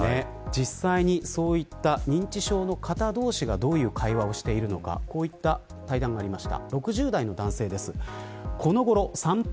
実際にそういった認知症の方同士がどういう会話をしているのかこういう対談がありました。